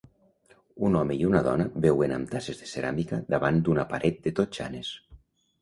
Un home i una dona beuen amb tasses de ceràmica davant d'una paret de totxanes.